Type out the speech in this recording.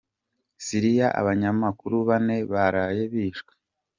Siliya Abanyamakuru Bane baraye bishwe